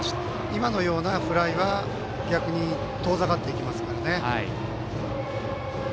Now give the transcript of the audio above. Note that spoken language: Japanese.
今のようなフライは逆に遠ざかっていきますからね。